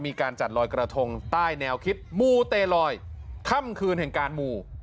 มีการจัดลอยกระทงใต้แนวคิดมูเตลอยค่ำคืนแห่งการมู